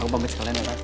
aku pamit sekalian ya pak